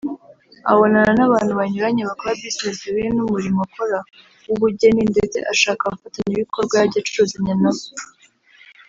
abonana n’abantu banyuranye bakora Business zihuye n’Umurimo akora w’Ubugeni ndetse ashaka abafatanyabikorwa yajya acuruzanya nabo